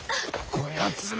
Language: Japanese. こやつめ！